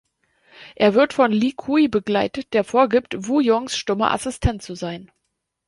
Er wird von Li Kui begleitet, der vorgibt, Wu Yongs stummer Assistent zu sein.